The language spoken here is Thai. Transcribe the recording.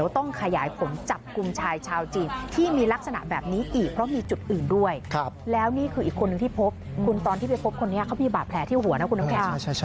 ทุกคนเนี่ยเขามีบาดแผลที่หัวคุณแข็ว